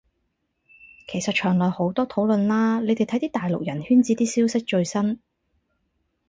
其實牆內好多討論啦，你哋睇啲大陸人圈子啲消息最新